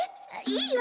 いいわよ